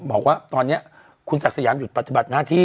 บอกว่าตอนนี้คุณศักดิ์สยามหยุดปฏิบัติหน้าที่